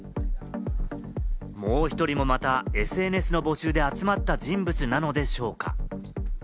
もう１人もまたＳＮＳの募集で集まった人物なのでしょうか？